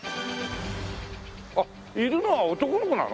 あっいるのは男の子なの？